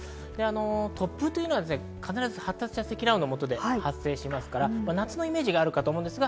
突風というのは必ず発達した積乱雲のもとで発生しますから、夏のイメージがあるかと思いますが。